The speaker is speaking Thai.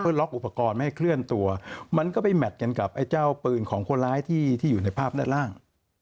ล็อกอุปกรณ์ไม่ให้เคลื่อนตัวมันก็ไปแมทกันกับไอ้เจ้าปืนของคนร้ายที่อยู่ในภาพด้านล่าง